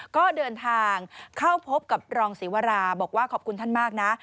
ก็เดินทางเข้าพบกับรองศรีวราบอกว่าขอบคุณท่านมากนะ